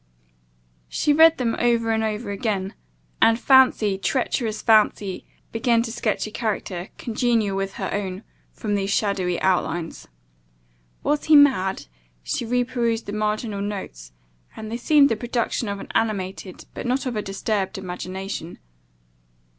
She read them over and over again; and fancy, treacherous fancy, began to sketch a character, congenial with her own, from these shadowy outlines. "Was he mad?" She reperused the marginal notes, and they seemed the production of an animated, but not of a disturbed imagination.